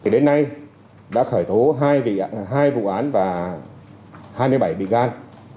đến nay đã khởi tố hai vụ án và hai mươi bảy bị can